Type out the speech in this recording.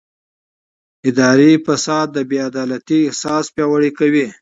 اداري فساد د بې عدالتۍ احساس پیاوړی کوي